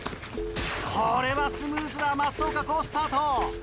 これはスムーズだ松岡好スタート。